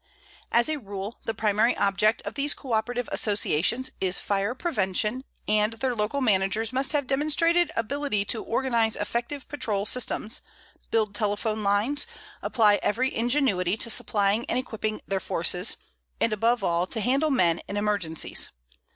"As a rule the primary object of these coöperative associations is fire prevention and their local managers must have demonstrated ability to organize effective patrol systems, build telephone lines, apply every ingenuity to supplying and equipping their forces, and, above all, to handle men in emergencies.